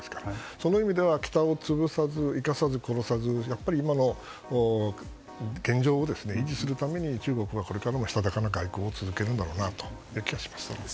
その意味では北を潰さず、生かさず、殺さずやっぱり今の現状を維持するため中国はこれからもしたたかな外交を続けるんだろうなという気がします。